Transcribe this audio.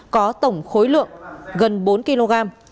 có tổng khối lượng gần bốn kg